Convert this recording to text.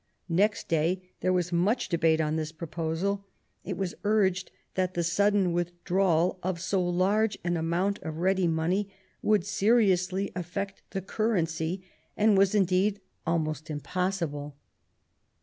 Next day there was much debate on this proposal ; it was urged that the sudden withdrawal of so large an amount of ready money would seriously aflFect the currency, and was indeed almost impossible.